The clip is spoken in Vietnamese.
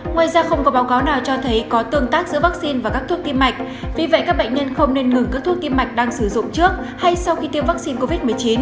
ngoài ra không có báo cáo nào cho thấy có tương tác giữa vaccine và các thuốc tim mạch vì vậy các bệnh nhân không nên ngừng các thuốc tiêm mạch đang sử dụng trước hay sau khi tiêm vaccine covid một mươi chín